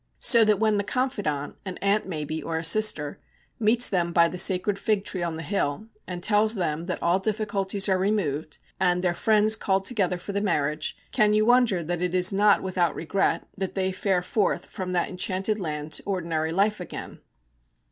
So that when the confidante, an aunt maybe or a sister, meets them by the sacred fig tree on the hill, and tells them that all difficulties are removed, and their friends called together for the marriage, can you wonder that it is not without regret that they fare forth from that enchanted land to ordinary life again?